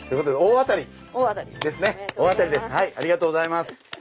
ありがとうございます。